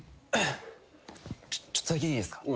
ちょっとだけいいですか？